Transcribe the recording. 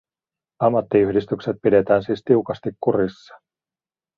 Ammattiyhdistykset pidetään siis tiukasti kurissa.